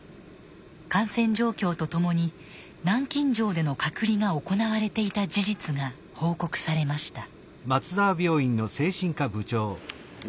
感染状況と共に南京錠での隔離が行われていた事実が報告されました。